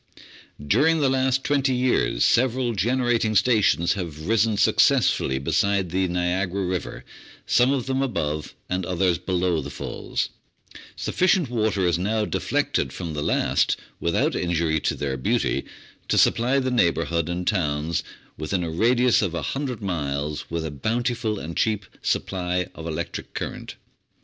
During the last twenty years several generating stations have risen successfully beside the Niagara River, some of them above and others below the Falls ; sufficient water is now deflected from the last without injury to their beauty to supply the neighbourhood and towns within a radius of 100 miles with a bountiful and cheap supply of electric current.